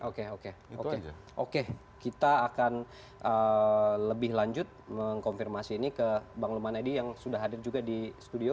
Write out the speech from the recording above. oke oke oke kita akan lebih lanjut mengkonfirmasi ini ke bang luman edi yang sudah hadir juga di studio